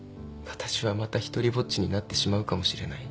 「私はまた独りぼっちになってしまうかもしれない」